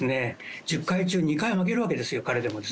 １０回中２回は負けるわけですよ、彼でも。